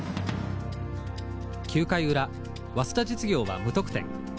９回裏早稲田実業は無得点。